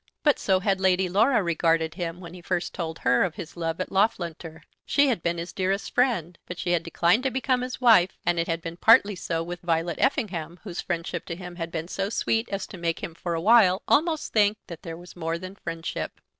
But so had Lady Laura regarded him when he first told her of his love at Loughlinter. She had been his dearest friend, but she had declined to become his wife; and it had been partly so with Violet Effingham, whose friendship to him had been so sweet as to make him for a while almost think that there was more than friendship.